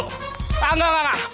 enggak enggak enggak